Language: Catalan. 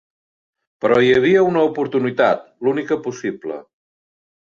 Però hi havia una oportunitat, l'única possible.